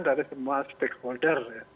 dari semua stakeholder